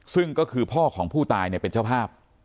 ซึ่งก็คือพ่อของผู้ตายเนี่ยเป็นเจ้าภาพ